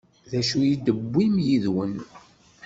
D acu i d-tewwim yid-wen?